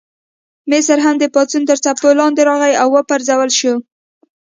مصر هم د پاڅون تر څپو لاندې راغی او وپرځول شو.